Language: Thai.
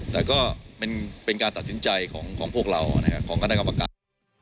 แต่ก็เป็นการตัดสินใจของพวกเราของคณะกรรมการ